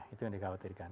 itu yang dikhawatirkan